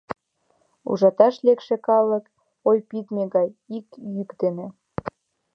Ужаташ лекше калык ой пидме гай ик йӱк дене: